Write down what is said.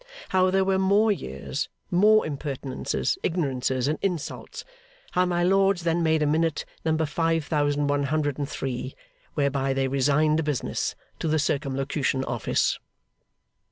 How there were more years; more impertinences, ignorances, and insults. How my lords then made a Minute, number five thousand one hundred and three, whereby they resigned the business to the Circumlocution Office.